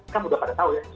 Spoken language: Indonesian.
kamu udah pada tau ya